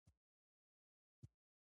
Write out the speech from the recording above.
افغان غازي د خپل وطن لپاره قرباني ورکوي.